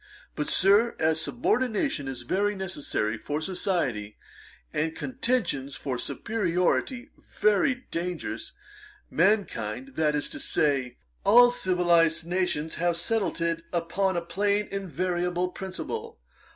But, Sir, as subordination is very necessary for society, and contensions for superiority very dangerous, mankind, that is to say, all civilized nations, have settled it upon a plain invariable principle.